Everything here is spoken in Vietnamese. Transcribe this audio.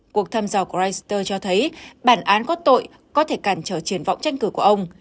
cuộc thăm dò của reuters cho thấy bản án có tội có thể cản trở triển vọng tranh cử của ông